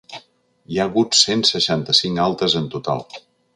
Hi ha hagut cent seixanta-cinc altes en total.